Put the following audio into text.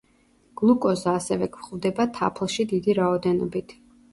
გლუკოზა ასევე გვხვდება თაფლში დიდი რაოდენობით.